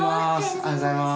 おはようございます。